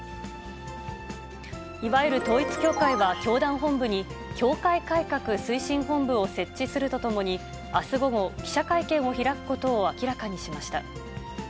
いわゆる統一教会は教団本部に、教会改革推進本部を設置するとともに、あす午後、記者会見を開くことを明らかにしました。